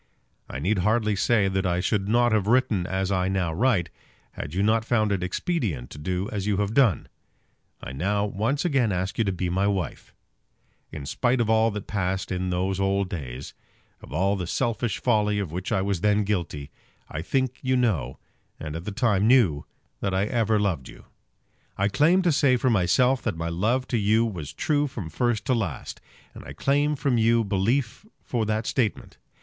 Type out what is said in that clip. I need hardly say that I should not have written as I now write, had you not found it expedient to do as you have done. I now once again ask you to be my wife. In spite of all that passed in those old days, of all the selfish folly of which I was then guilty, I think you know, and at the time knew, that I ever loved you. I claim to say for myself that my love to you was true from first to last, and I claim from you belief for that statement.